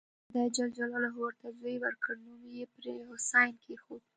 خدای ج ورته زوی ورکړ نوم یې پرې حسین کېښود.